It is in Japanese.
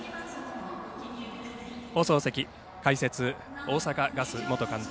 放送席、解説大阪ガス元監督